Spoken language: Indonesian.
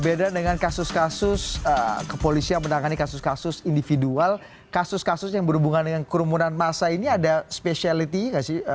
beda dengan kasus kasus kepolisian yang menangani kasus kasus individual kasus kasus yang berhubungan dengan kerumunan massa ini ada specialiti ya pak selamet